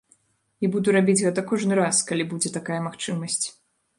І буду рабіць гэта кожны раз, калі будзе такая магчымасць.